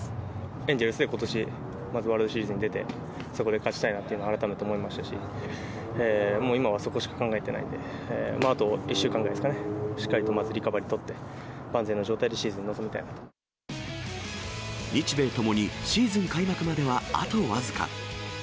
エンゼルスでことし、まずワールドシリーズに出て、そこで勝ちたいなっていうの改めて思いましたし、もう今はそこしか考えてないんで、あと１週間ぐらいですかね、しっかりとまずリカバリーとって、万全の状態でシーズンに臨みたい日米ともに、シーズン開幕までは、あと僅か。